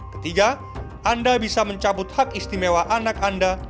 ketiga anda bisa mencabut hak istimewa anak anda